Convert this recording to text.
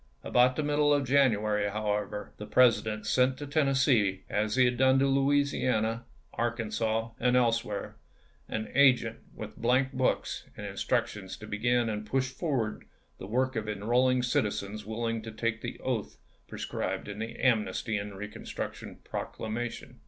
About the middle of January, however, the President sent to Tennessee, as he had done to Louisiana, Arkan sas, and elsewhere, an agent with blank books and instructions to begin and push forward the work of enrolling citizens willing to take the oath pre scribed in the Amnesty and Reconstruction Proc lamation.